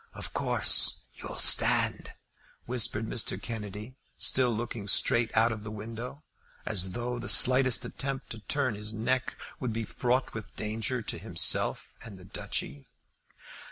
"Of course you'll stand?" whispered Mr. Kennedy, still looking straight out of the window, as though the slightest attempt to turn his neck would be fraught with danger to himself and the Duchy.